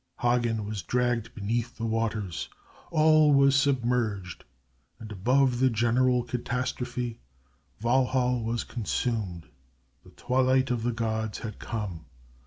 Hagen was dragged beneath the waters. All was submerged, and above the general catastrophe, Walhall was consumed. The twilight of the gods had come.